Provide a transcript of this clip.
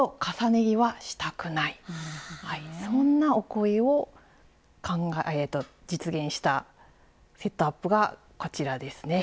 そんなお声を実現したセットアップがこちらですね。